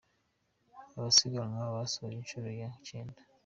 Abasiganwa basoje inshuro ya cyenda.